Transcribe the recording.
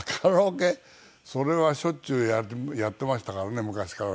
それはしょっちゅうやってましたからね昔からね。